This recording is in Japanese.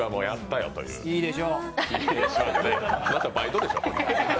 あなた、バイトでしょう。